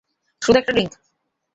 শুধু একটা ড্রিংক।